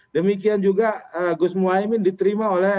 demikian juga gus muhaymin diterima oleh